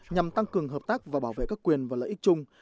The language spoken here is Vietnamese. nhằm tăng cường hợp tác và bảo vệ các quyền và lợi ích chung